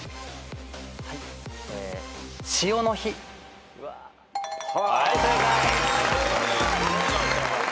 はい正解。